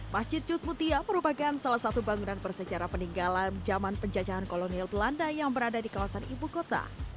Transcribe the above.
masjid cutmutia merupakan salah satu bangunan bersejarah peninggalan zaman penjajahan kolonial belanda yang berada di kawasan ibu kota